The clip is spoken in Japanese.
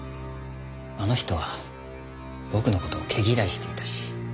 あの人は僕の事を毛嫌いしていたし。